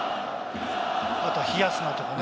あと冷やすなとかね。